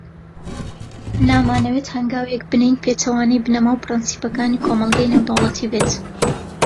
نامانەوێت هەنگاوێک بنێین، پێچەوانەوەی بنەما و پرەنسیپەکانی کۆمەڵگەی نێودەوڵەتی بێت.